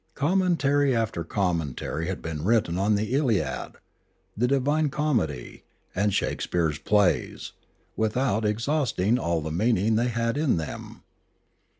Commentary after commentary had been written on the Iliad, the Divine Comedy, and Shakespeare's plays, without exhausting all the mean ing they had in them.